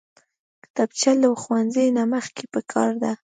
کتابچه له ښوونځي نه مخکې پکار ده